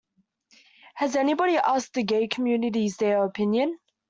Has anybody asked the gay communities their opinion?